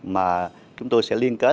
mà chúng tôi sẽ liên kết